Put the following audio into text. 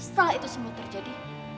setelah itu semua terjadi